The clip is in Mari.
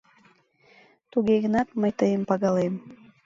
Туге гынат, мый тыйым пагалем.